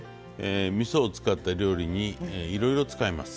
みそを使った料理にいろいろ使えます。